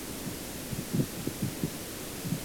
将非持球脚置于球上。